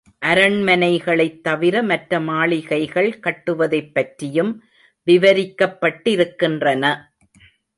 அரண்மனைகளைத் தவிர மற்ற மாளிகைகள் கட்டுவதைப் பற்றியும் விவரிக்கப்பட்டிருக்கின்றன.